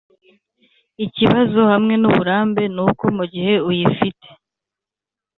ikibazo hamwe nuburambe nuko mugihe uyifite,